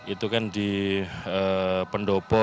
itu kan di pendopo